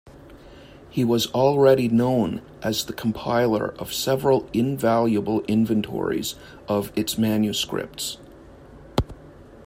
He was already known as the compiler of several invaluable inventories of its manuscripts.